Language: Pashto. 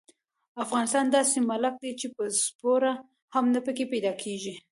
افغانستان داسې ملک دې چې سپوره هم نه پکې پیدا کېږي.